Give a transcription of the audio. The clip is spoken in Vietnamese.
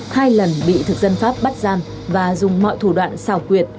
hai lần bị thực dân pháp bắt giam và dùng mọi thủ đoạn xào quyệt